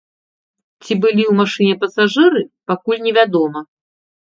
Ці былі ў машыне пасажыры, пакуль невядома.